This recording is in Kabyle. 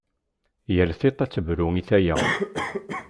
Yal tiṭ ad tebru i tala.